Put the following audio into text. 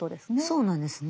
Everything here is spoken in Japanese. そうなんですね。